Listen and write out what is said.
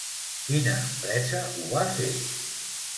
Quina empresa ho va fer?